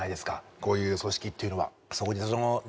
こういう組織っていうのは。